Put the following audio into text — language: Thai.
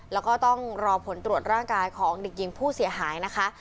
แล้วก็ต้องรอผลตรวจร่างกายของเด็กหญิงผู้เสียหายนะคะ